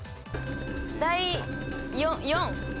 第４？